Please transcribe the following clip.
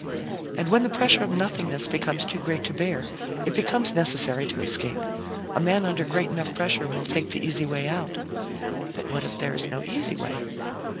And when the pressure of nothingness becomes too great to bear, it becomes necessary to escape; a man under great enough pressure will take the easy way out. But if there is no easy way?